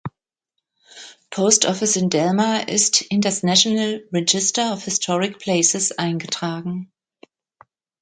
Post Office in Delmar ist in das National Register of Historic Places eingetragen.